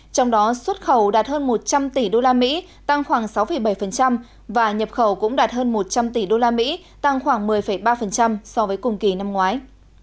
trong đó xuất khẩu đạt hơn một trăm linh tỷ usd tăng khoảng sáu bảy và nhập khẩu cũng đạt hơn một trăm linh tỷ usd tăng khoảng một mươi ba so với cùng kỳ năm ngoái